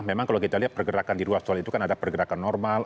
memang kalau kita lihat pergerakan di ruas tol itu kan ada pergerakan normal